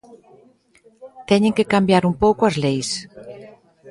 Teñen que cambiar un pouco as leis.